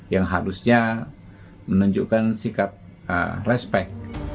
yang harusnya menunjukkan sikap respect